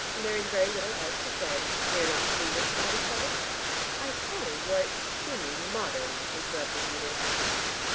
There is very little else to say. We are not foolish about each other " "I find you are extremely modern," interrupted Edith.